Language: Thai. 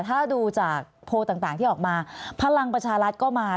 ถ้าดูจากโพลต่างที่ออกมาพลังประชารัฐก็มา